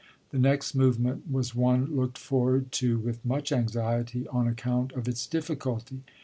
The next movement was one looked forward to with much anxiety on account of its difficulty.